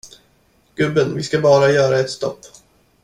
Gubben, vi ska bara göra ett stopp.